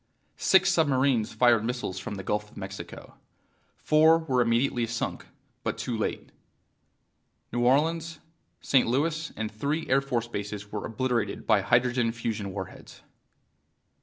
Six submarines fired missiles from the Gulf of Mexico. Four were immediately sunk, but too late. New Orleans, St. Louis and three Air Force bases were obliterated by hydrogen fusion warheads.